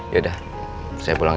yaudah saya pulang ya